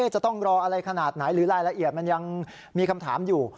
จะต้องรออะไรขนาดไหนหรือรายละเอียดมันยังมีคำถามอยู่